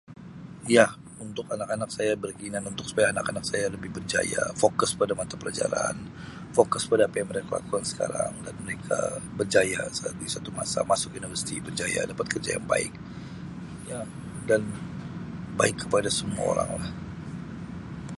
Ya, untuk anak-anak saya beringinan untuk supaya anak-anak saya lebih berjaya, fokus pada mata pelajaran, fokus pada apa yang mereka lakukan sekarang dan mereka berjaya saat di suatu masa, masuk universiti, berjaya dapat kerja yang baik, ya dan baik kepada semua orang lah.